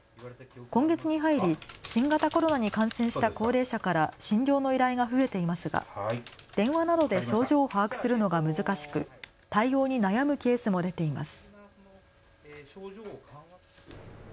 今月に入り新型コロナに感染した高齢者から診療の依頼が増えていますが電話などで症状を把握するのが難しく対応に悩むケースも出ています。